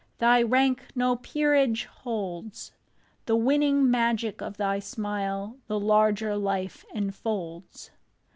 Thy rank no peerage holds, The winning magic of thy smile The larger life enfolds.